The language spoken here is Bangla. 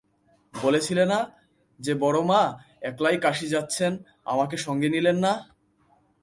বলছিলে না, যে, বড়োমা একলাই কাশী যাচ্ছেন, আমাকে সঙ্গে নিলেন না?